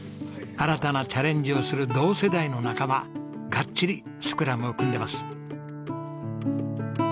新たなチャレンジをする同世代の仲間がっちりスクラムを組んでます。